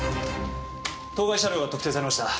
当該車両が特定されました。